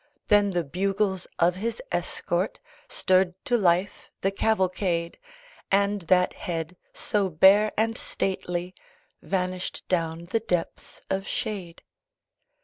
Then the bugles of his escort Stirred to life the cavalcade: And that head, so bare and stately Vanished down the depths of shade.